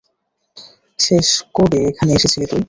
শেষ কবে এখানে এসেছিলি তুই?